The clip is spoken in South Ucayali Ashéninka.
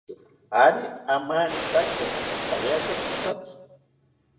Ari amanitaki, opithariaki kipatzi